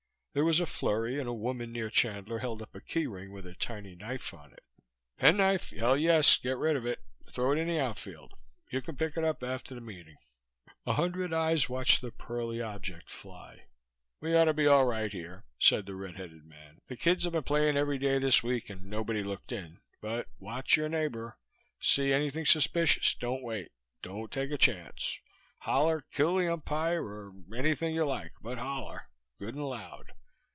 There was a flurry and a woman near Chandler held up a key ring with a tiny knife on it "Penknife? Hell, yes; get rid of it. Throw it in the outfield. You can pick it up after the meeting." A hundred eyes watched the pearly object fly. "We ought to be all right here," said the red headed man. "The kids have been playing every day this week and nobody looked in. But watch your neighbor. See anything suspicious, don't wait. Don't take a chance. Holler 'Kill the umpire!' or anything you like, but holler. Good and loud."